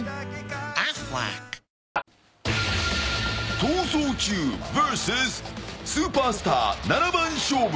「逃走中ｖｓスーパースター７本勝負」。